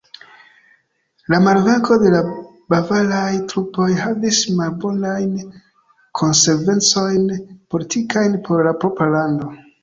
La malvenko de la bavaraj trupoj havis malbonajn konsekvencojn politikajn por la propra lando.